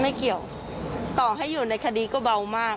ไม่เกี่ยวต่อให้อยู่ในคดีก็เบามาก